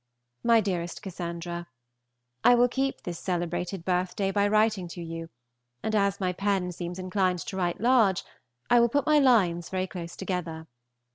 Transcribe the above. MY DEAREST CASSANDRA, I will keep this celebrated birthday by writing to you; and as my pen seems inclined to write large, I will put my lines very close together.